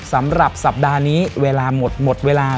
สำหรับสัปดาห์นี้เวลาหมดหมดเวลา